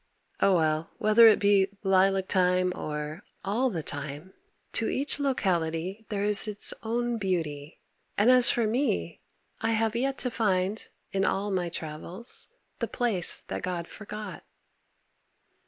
Oh, well, whether it be "lilac time" or "all the time" to each locality there is its own beauty and, as for me, I have yet to find, in all my travels, the "place that God forgot."